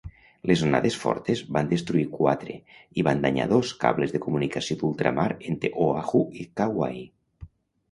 Les onades fortes van destruir quatre i van danyar dos cables de comunicació d"ultramar entre Oahu i Kauai.